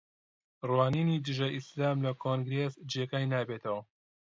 ڕوانینی دژە ئیسلام لە کۆنگرێس جێگای نابێتەوە